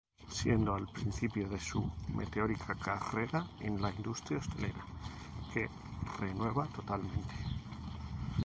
Siendo el principio de su meteórica carrera en la industria hotelera, que renueva totalmente.